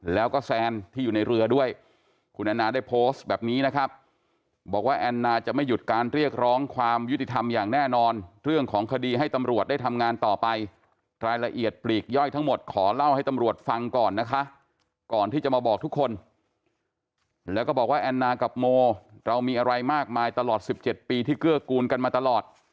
แล้วก็บอกว่าแอนนากับโมเรามีอะไรมากมายตลอด๑๗ปีที่เกื้อกูลกันมาตลอด